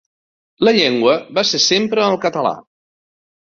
La llengua va ser sempre el català.